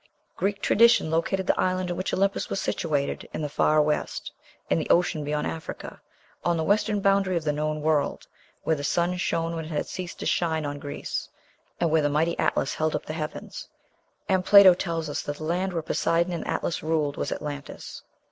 Greek tradition located the island in which Olympus was situated "in the far west," "in the ocean beyond Africa," "on the western boundary of the known world," "where the sun shone when it had ceased to shine on Greece," and where the mighty Atlas "held up the heavens." And Plato tells us that the land where Poseidon and Atlas ruled was Atlantis.